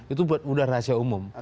itu udah rahasia umum